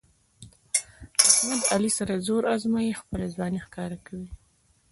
احمد له علي سره زور ازمیي، خپله ځواني ښکاره کوي.